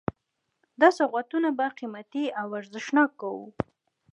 دا سوغاتونه به قیمتي او ارزښتناک وو.